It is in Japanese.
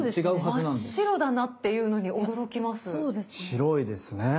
白いですね。